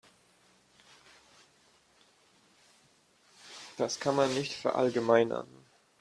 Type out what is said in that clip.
Das kann man nicht verallgemeinern.